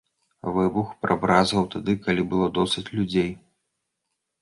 Выбух прабразгаў тады, калі было досыць людзей.